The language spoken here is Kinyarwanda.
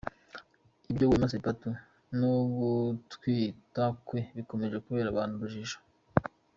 Ibya Wema Sepetu no gutwita kwe bikomeje kubera abantu urujijo.